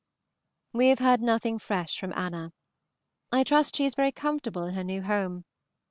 We have heard nothing fresh from Anna. I trust she is very comfortable in her new home.